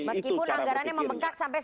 meskipun anggarannya memengkak sampai